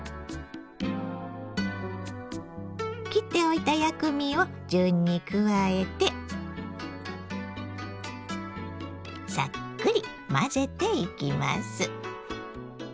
切っておいた薬味を順に加えてサックリ混ぜていきます。